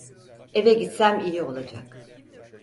Eve gitsem iyi olacak.